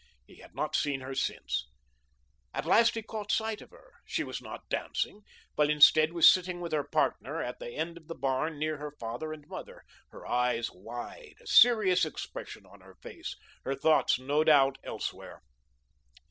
He had not seen her since then. At last he caught sight of her. She was not dancing, but, instead, was sitting with her "partner" at the end of the barn near her father and mother, her eyes wide, a serious expression on her face, her thoughts, no doubt, elsewhere.